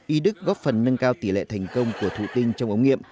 y đức góp phần nâng cao tỷ lệ thành công của thụ tình trong ống nghiệp